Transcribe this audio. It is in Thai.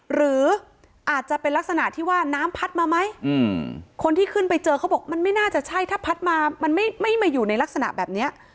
หรืออาจจะเป็นลักษณะที่ว่าน้ำพัดมาไหมคนที่ขึ้นไปเจอเขาบอกมันไม่น่าจะใช่ถ้าพัดมามันไม่มาอยู่ในลักษณะแบบนี้